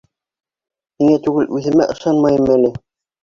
Һиңә түгел, үҙемә ышанмайым әле.